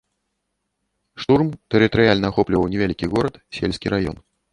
Штурм тэрытарыяльна ахопліваў невялікі горад, сельскі раён.